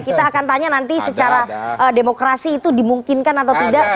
kita akan tanya nanti secara demokrasi itu dimungkinkan atau tidak